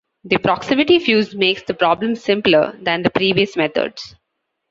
The proximity fuze makes the problem simpler than the previous methods.